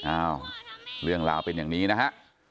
อ้าวเรื่องราวเป็นอย่างนี้นะฮะ